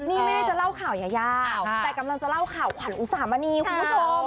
นี่แม่จะเล่าข่าวยายาแต่กำลังจะเล่าข่าวขวัญอุสามณีคุณผู้ชม